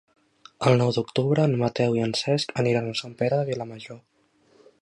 El nou d'octubre en Mateu i en Cesc aniran a Sant Pere de Vilamajor.